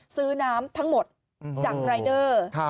ซื้อน้ำทั้งหมดจากรายเดอร์